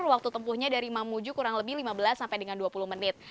waktu tempuhnya dari mamuju kurang lebih lima belas sampai dengan dua puluh menit